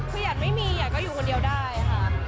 คืออยากไม่มีอยากก็อยู่คนเดียวได้ค่ะ